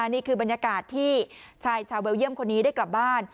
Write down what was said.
นี่คือบรรยากาศที่ชายชาวเบลเยี่ยมคนนี้ได้กลับบ้าน